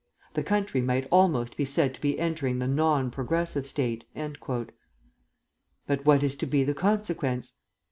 The country might almost be said to be entering the non progressive state.' "But what is to be the consequence?